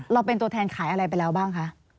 เราเป็นตัวแทนขายอะไรไปแล้วบ้างคะ